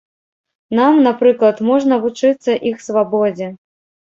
Нам, напрыклад, можна вучыцца іх свабодзе.